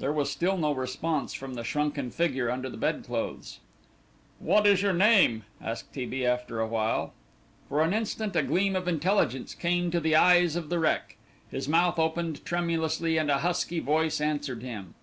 There was still no response from the shrunken figure under the bedclothes. "What is your name?" asked T. B. after a while. For an instant a gleam of intelligence came to the eyes of the wreck. His mouth opened tremulously and a husky voice answered him.